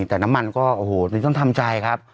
แต่น้ำมันก็อ๋อโหไม่ต้องทำใจค่ะ